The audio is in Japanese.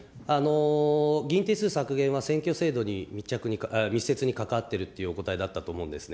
議員定数削減は選挙制度に密接に関わっているというお答えだったと思うんですね。